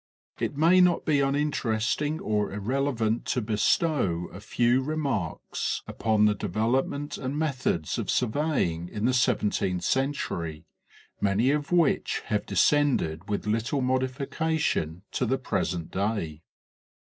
It may not be uninteresting or irrelevant to bestow a few re marks upon the development and methods of surveying in the seventeenth century, many of which have descended with little modification to the present day.